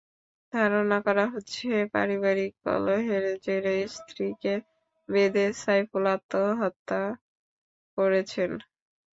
ধারণা করা হচ্ছে, পারিবারিক কলহের জেরে স্ত্রীকে বেঁধে সাইফুল আত্মহত্যা করেছেন।